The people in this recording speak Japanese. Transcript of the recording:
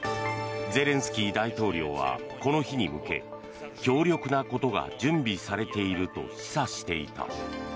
ゼレンスキー大統領はこの日に向け強力なことが準備されていると示唆していた。